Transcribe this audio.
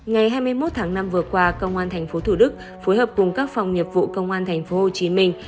ngày hai mươi một tháng năm vừa qua công an tp thủ đức phối hợp cùng các phòng nhiệm vụ công an tp hồ chí minh